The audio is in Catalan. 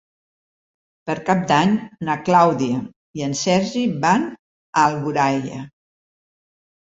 Per Cap d'Any na Clàudia i en Sergi van a Alboraia.